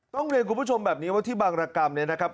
ต้องเรียนคุณผู้ชมแบบนี้ว่าที่บางรกรรมเนี่ยนะครับ